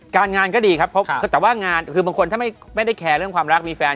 การงานก็ดีครับเพราะคือบางคนถ้าไม่ด้อยถึงเรื่องความรักมีแฟน